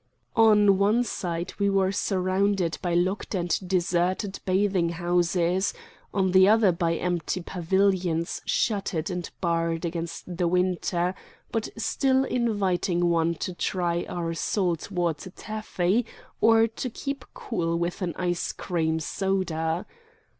On one side we were surrounded by locked and deserted bathing houses, on the other by empty pavilions shuttered and barred against the winter, but still inviting one to "Try our salt water taffy" or to "Keep cool with an ice cream soda."